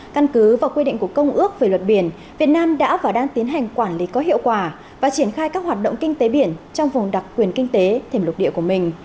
căn cứ và quy định của công ước về luật biển việt nam đã và đang tiến hành quản lý có hiệu quả và triển khai các hoạt động kinh tế biển trong vùng đặc quyền kinh tế thềm lục địa của mình